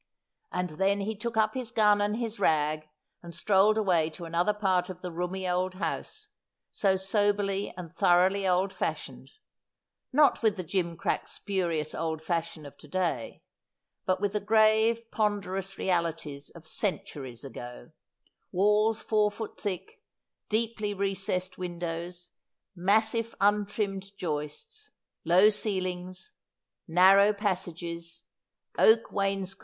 And then he took up his gun and his rag, and strolled away to another part of the roomy old house, so soberly and thoroughly old fashioned, not with the gimcrack spurious old fashion of to day, but with the grave ponderous realities of centuries ago — walls four feet thick, deeply recessed windows, massive un trimmed joists, low ceilings, narrow passages, oak wainscoting.